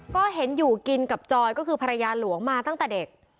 ก็เห็นอยู่กินกับจอยก็คือภรรยาหลวงมาตั้งแต่เด็ก